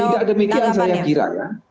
tidak demikian saya kira